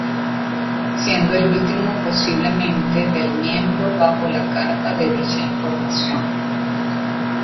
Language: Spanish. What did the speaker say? Siendo el último posiblemente del Miembro Bajo la Carpa de dicha formación.